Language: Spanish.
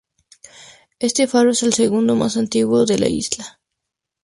Este faro es el segundo más antiguo de la isla.